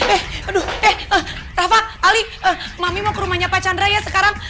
eh aduh eh rafa ali mami mau ke rumahnya pak chandra ya sekarang